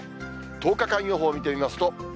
１０日間予報を見てみますと。